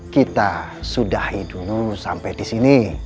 kita sudahi dulu sampai disini